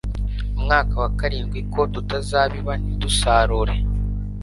mwaka wa karindwi ko tutazabiba ntidusarure